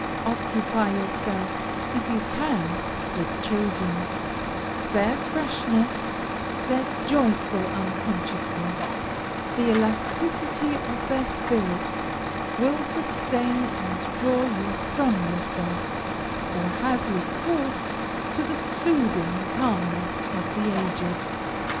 Occupy yourself, if you can, with children; their freshness, their joyful unconsciousness, the elasticity of their spirits, will sustain and draw you from yourself, or have recourse to the soothing calmness of the aged.